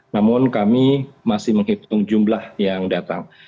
namun kami masih menghitung jumlah yang datang